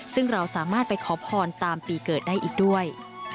ซึ่งเราสามารถไปขอพรตามปีเกิดได้อีกด้วย